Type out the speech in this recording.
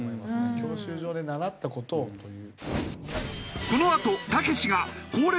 教習所で習った事をという。